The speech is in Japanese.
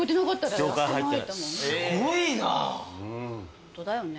ホントだよね。